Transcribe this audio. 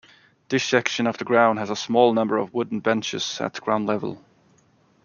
This section of the ground has a small number of wooden benches at ground-level.